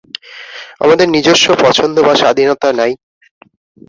আমাদের নিজস্ব পছন্দ বা স্বাধীনতা নাই।